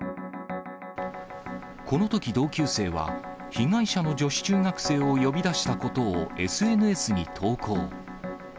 このとき同級生は、被害者の女子中学生を呼び出したことをＳＮＳに投稿。